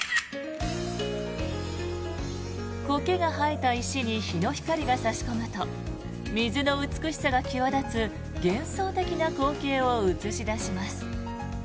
コケが生えた石に日の光が差し込むと水の美しさが際立つ幻想的な光景を映し出します。